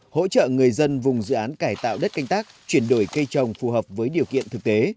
hỗ trợ người dân vùng dự án cải tạo đất canh tác chuyển đổi cây trồng phù hợp với điều kiện thực tế